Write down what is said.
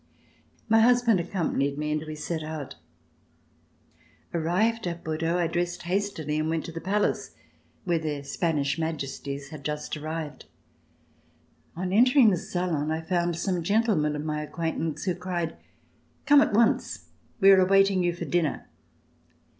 My husband accompanied me and we set out. Arrived at Bordeaux, I dressed hastily and went to the Palace where Their Spanish Majesties had just arrived. On entering the salon I found some gentlemen of my acquaintance who cried: "Come at once, we are awaiting you for dinner!"